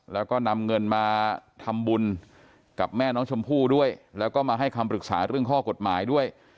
แล้วก็นำเงินมาทำบุญกับแม่น้องชมพู่ด้วยแล้วก็มาให้คำปรึกษาเรื่องข้อกฎหมายด้วย